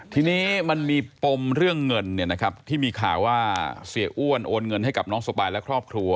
ทีนี้มันมีปมเรื่องเงินที่มีข่าวว่าเสียอ้วนโอนเงินให้กับน้องสปายและครอบครัว